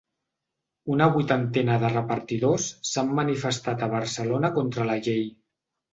Una vuitantena de repartidors s’han manifestat a Barcelona contra la llei.